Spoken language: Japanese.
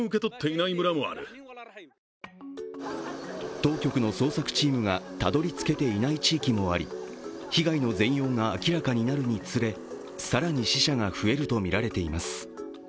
当局の捜索チームがたどり着けていない地域もあり被害の全容が明らかになるにつれ、更に死者が増えるとみられています。